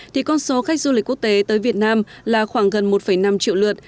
thì con số khách du lịch quốc tế tới việt nam là khoảng gần một năm triệu lượt